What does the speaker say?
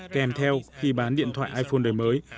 kèm theo khi bán điện thoại iphone đời mới